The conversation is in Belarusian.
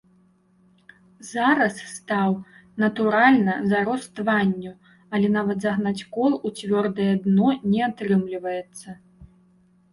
Зараз стаў, натуральна, зарос тванню, але нават загнаць кол у цвёрдае дно не атрымліваецца.